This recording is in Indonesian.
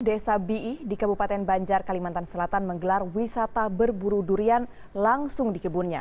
desa biih di kabupaten banjar kalimantan selatan menggelar wisata berburu durian langsung di kebunnya